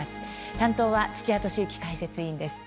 担当は土屋敏之解説委員です。